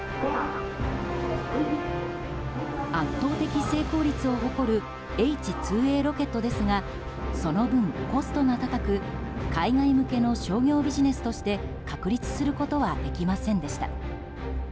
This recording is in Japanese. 圧倒的成功率を誇るＨ２Ａロケットですがその分、コストが高く海外向けの商業ビジネスとして確立することはできませんでした。